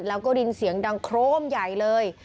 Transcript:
แล้วก็ดินเสียงดังโครมใหญ่เลย